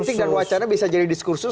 politik dan wacana bisa jadi diskursus